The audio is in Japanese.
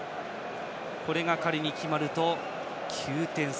これが仮に決まると９点差。